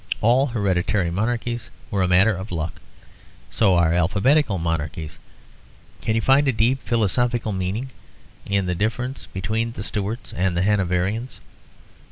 All hereditary monarchies were a matter of luck: so are alphabetical monarchies. Can you find a deep philosophical meaning in the difference between the Stuarts and the Hanoverians?